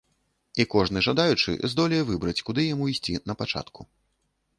І кожны жадаючы здолее выбраць, куды яму ісці на пачатку.